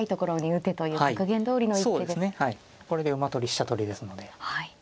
これで馬取り飛車取りですので。